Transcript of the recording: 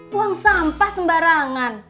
buang sampah sembarangan